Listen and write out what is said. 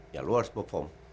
ya lu harus perform